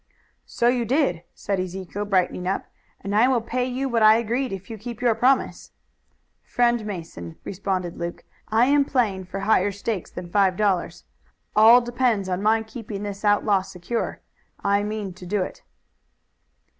"So you did," said Ezekiel, brightening up, "and I will pay you what I agreed if you keep your promise." "Friend Mason," responded Luke, "I am playing for higher stakes than five dollars. All depends on my keeping this outlaw secure. I mean to do it."